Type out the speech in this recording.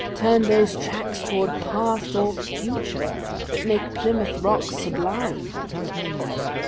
Turn those tracks toward Past or Future, that make Plymouth Rock sublime?